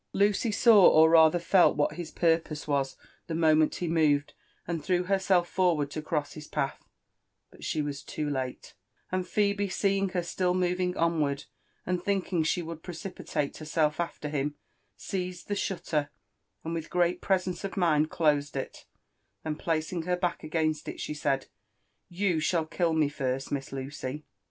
Lucy saw, or rather felt what his purpose was the moment he moved, and threw herself forward to cross his path ; but she was too late, and Phebe seeing her still moving onward, and thinking she would precipitate herself after him, seized the shutter, and with great presence of mind, closed it ; 4hen placing her back against it, she said^ " You shall kill me first, Miss Lucy."